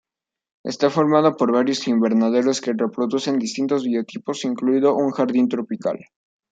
Está formado por varios invernaderos que reproducen distintos biotopos incluido un jardín tropical.